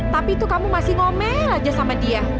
tapi itu kamu masih ngomel aja sama dia